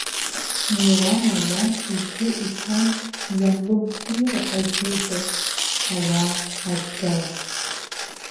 Милана лаб игәы иҭан иан лымшира азгәеиҭарц, ауаа адгалан.